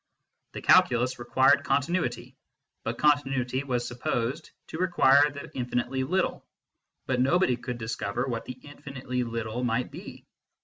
The Calculus required continuity, and continuity was supposed to require the infinitely little ; but nobody could discover what the infinitely little might be.